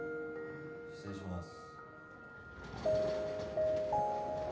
失礼します。